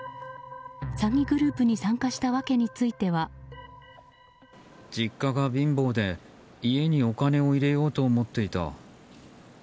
詐欺グループに参加した訳については。実家が貧乏で家にお金を入れようと思っていた。